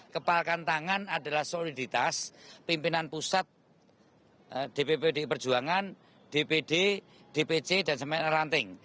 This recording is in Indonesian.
kepalkan tangan adalah soliditas pimpinan pusat dpp pdi perjuangan dpd dpc dan ranting